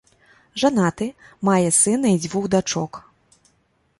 Жанаты, мае сына і дзвюх дачок.